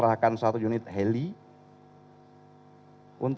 bahwa merop cooler sembilan tersebut